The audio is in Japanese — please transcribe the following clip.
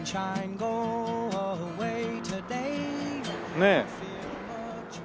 ねえ。